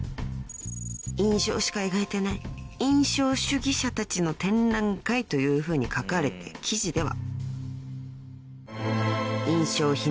［印象しか描いてない印象主義者たちの展覧会というふうに書かれて記事では］